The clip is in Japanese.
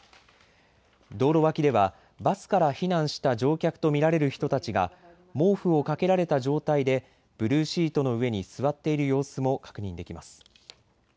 道路脇ではバスから避難した乗客と見られる人たちが毛布を掛けられた状態でブルーシートの上に座っている様子も確認できます。